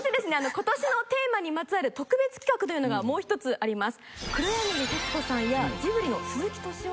今年のテーマにまつわる特別企画というのがもう１つあります。